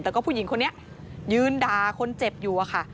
แต่ก็ผู้หญิงคนนี้ยืนด่าคนเจ็บอยู่อะค่ะ